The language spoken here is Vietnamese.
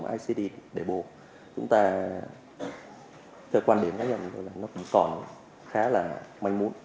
hệ thống icd đề bộ chúng ta theo quan điểm cá nhân là nó còn khá là manh mút